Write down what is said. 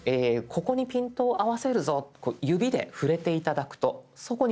ここにピントを合わせるぞっとこう指で触れて頂くとそこにピントが合います。